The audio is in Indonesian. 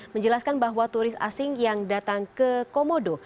menjelaskan bahwa turis asing yang datang ke komodo